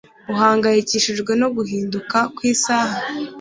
Uhangayikishijwe no guhinduka kwisaha